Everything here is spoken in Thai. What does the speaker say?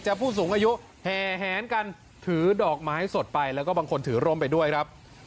ผู้สูงอายุแห่แหนกันถือดอกไม้สดไปแล้วก็บางคนถือร่มไปด้วยครับ